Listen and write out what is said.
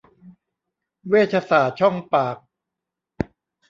เวชศาสตร์ช่องปาก